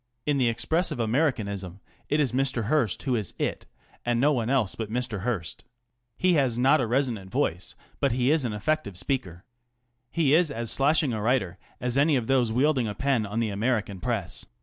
In the expressive Americanism it is Mr. Hearst who is "it," and no one else but Mr. Hearst. He has not a resonant voice, but he is an effective speaker. He is as slashing a writer as any of those wielding a pen on the American Press.